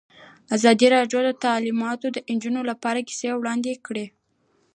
ازادي راډیو د تعلیمات د نجونو لپاره کیسې وړاندې کړي.